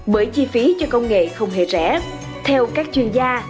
bởi chi phí cho công nghệ không hề rẻ theo các chuyên gia